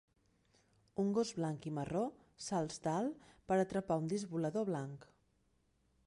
Un gos blanc i marró salts dalt per atrapar un disc volador blanc.